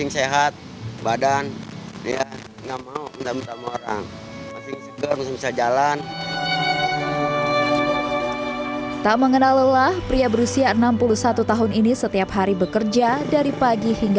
saya mengajak payung